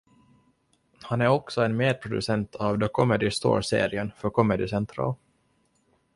Han är också en medproducent av The Comedy Store-serien för Comedy Central.